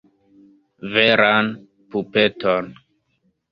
Veran pupeton.